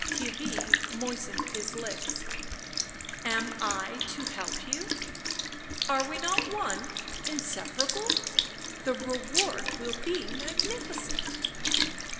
Theirry moistened his lips. "Am I to help you?" " Are we not one — inseparable ? The reward will be magnificent."